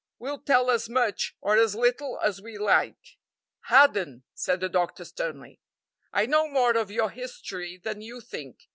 "We'll tell as much or as little as we like." "Hadden," said the doctor sternly, "I know more of your history than you think.